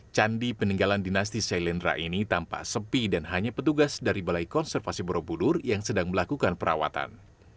candi peninggalan dinasti sailendra ini tampak sepi dan hanya petugas dari balai konservasi borobudur yang sedang melakukan perawatan